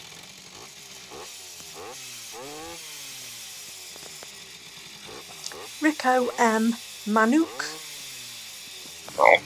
Rico M. Manook.